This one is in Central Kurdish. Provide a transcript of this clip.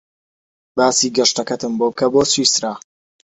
باسی گەشتەکەتم بۆ بکە بۆ سویسرا.